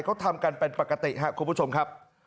เขาทำกันเป็นปกติครับคุณผู้ชมครับ